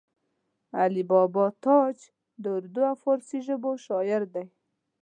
علي بابا تاج د اردو او فارسي ژبو شاعر دی